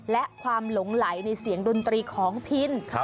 และความหลงไหลในเสียงดนตรีของพิน